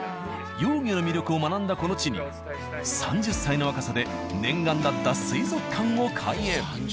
幼魚の魅力を学んだこの地に３０歳の若さで念願だった水族館を開園。